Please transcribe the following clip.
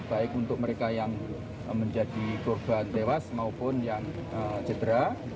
baik untuk mereka yang menjadi korban tewas maupun yang cedera